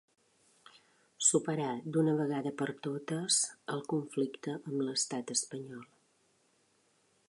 Superar d’una vegada per totes el conflicte amb l’estat espanyol.